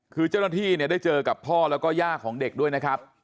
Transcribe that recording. คือเจ้าหน้าที่เนี่ยได้เจอกับพ่อแล้วก็ย่าของเด็กด้วยนะครับ